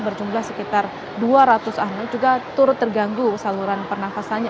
berjumlah sekitar dua ratus anak juga turut terganggu saluran pernafasannya